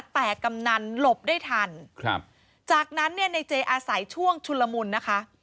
แต่กำนันหลบได้ทันครับจากนั้นเนี่ยในเจอาศัยช่วงชุนละมุนนะคะ